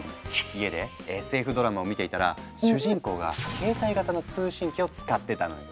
家でＳＦドラマを見ていたら主人公が携帯型の通信機を使ってたのよ。